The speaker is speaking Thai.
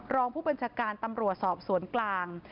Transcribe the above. รองผู้บัญชาการตำรวจสอบสวนกลาง